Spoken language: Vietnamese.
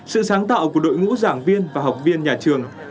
sự sáng tạo của đội ngũ giảng viên và học viên nhà trường